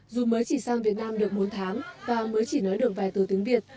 dù mới chỉ sang việt nam được bốn tháng và mới chỉ nói được vài từ tiếng việt